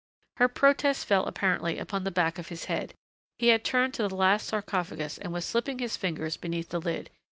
Her protest fell apparently upon the back of his head. He had turned to the last sarcophagus and was slipping his fingers beneath the lid.